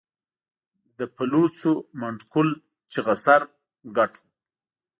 د پلوڅو، منډکول چغه سر، ګټ و